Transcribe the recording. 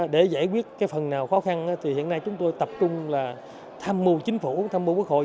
để giải quyết cái phần nào khó khăn thì hiện nay chúng tôi tập trung là tham mưu chính phủ tham mưu quốc hội